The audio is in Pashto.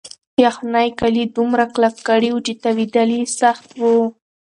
یخنۍ کالي دومره کلک کړي وو چې تاوېدل یې سخت وو.